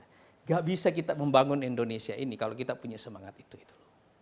enggak bisa kita membangun indonesia ini kalau kita punya semangat itu